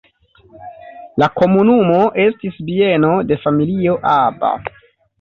La komunumo estis bieno de familio Aba.